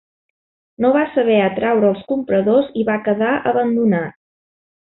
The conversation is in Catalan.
No va saber atraure els compradors i va quedar abandonat.